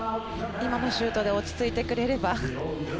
今のシュートで落ち着いてくれれば。